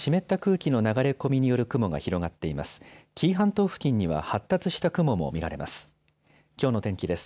紀伊半島付近には発達した雲も見られます。